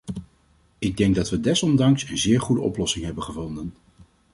Ik denk dat we desondanks een zeer goede oplossing hebben gevonden.